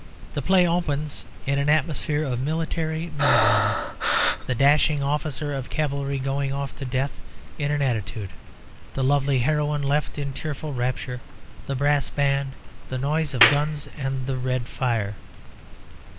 The play opens in an atmosphere of military melodrama; the dashing officer of cavalry going off to death in an attitude, the lovely heroine left in tearful rapture; the brass band, the noise of guns and the red fire.